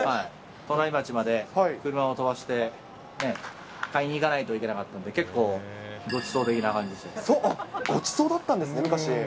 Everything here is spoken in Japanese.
隣町まで車を飛ばして買いに行かないといけなかったんで、ごちそうだったんですね、昔。